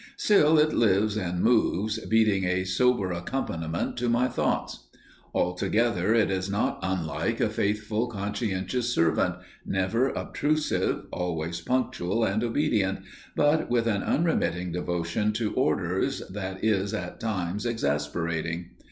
Still, it lives and moves, beating a sober accompaniment to my thoughts. Altogether, it is not unlike a faithful, conscientious servant, never obtrusive, always punctual and obedient, but with an unremitting devotion to orders that is at times exasperating.